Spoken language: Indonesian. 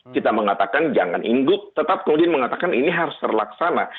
kita mengatakan jangan inggup tetap kemudian mengatakan ini harus terlaksana